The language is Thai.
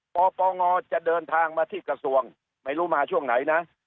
ปปงจะเดินทางมาที่กระทรวงไม่รู้มาช่วงไหนนะ